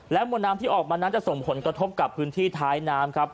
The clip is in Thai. มวลน้ำที่ออกมานั้นจะส่งผลกระทบกับพื้นที่ท้ายน้ำครับ